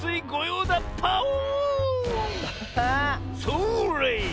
それ！